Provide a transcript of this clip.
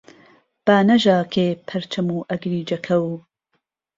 با نهژاکێ پهرچهم و ئهگریجهکهو